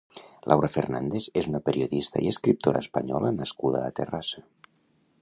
Laura Fernández és una periodista i escritora española nascuda a Terrassa.